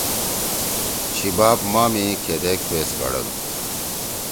چھی باپ ماہ می کھیدیک پیس کھڑَدوُ؟